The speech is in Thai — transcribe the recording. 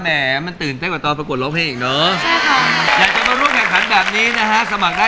แหม่มันตื่นเต้นกว่าตอนประกวดร้องเพลงเนอะ